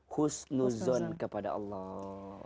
husnuzon kepada allah